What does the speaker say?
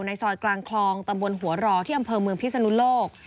ซอยกลางคลองตำบลหัวรอที่อำเภอเมืองพิศนุโลก